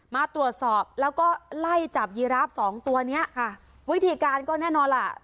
มาตรวจสอบแล้วก็ไล่จับยีราฟสองตัวเนี้ยค่ะวิธีการก็แน่นอนล่ะ